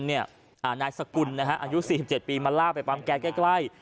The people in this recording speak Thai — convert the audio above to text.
นายสกุลอายุ๔๗ปีมาล่าไปปั๊มแก๊ใกล้